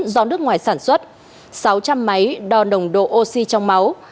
do nước ngoài sản xuất sáu trăm linh máy đo nồng độ oxy trong máu